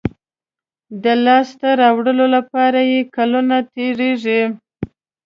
د لاسته راوړلو لپاره یې کلونه تېرېږي.